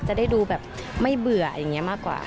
จะได้ดูแบบไม่เบื่ออะไรอย่างนี้มากกว่า